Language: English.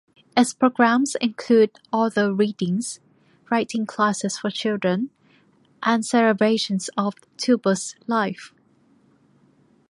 Its programs include author readings, writing classes for children, and celebrations of Thurber's life.